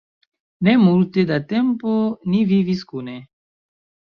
Ne multe da tempo ni vivis kune.